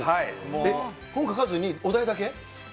本書かずにお題だけ？